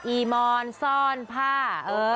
ีมอนซ่อนผ้า